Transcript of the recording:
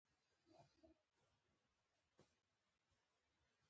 اوکر کنډو ، وریځو سپيني جامې